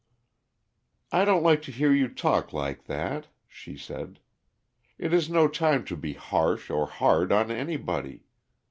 "I don't like to hear you talk like that," she said. "It is no time to be harsh or hard on anybody.